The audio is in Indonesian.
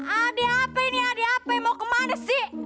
adi apa ini adi apa mau ke mana sih